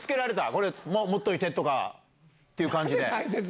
これ、持っといてとかっていう感じで？